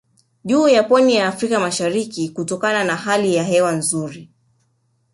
Juu ya pwani ya Afrika mashariki kutokana na hali ya hewa nzuri